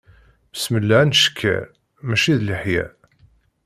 Besmellah ad ncekker, mačči d leḥya.